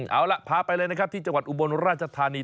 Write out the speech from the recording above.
เอาล่ะพาไปเลยนะครับที่จังหวัดอุบลราชธานี